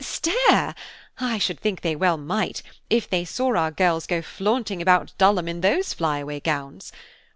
"Stare! I should think they well might, if they saw our girls go flaunting about Dulham in those fly away gowns.